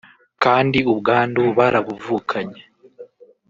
kandi ubwandu barabuvukanye